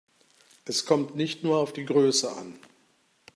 Es kommt nicht nur auf die Größe an.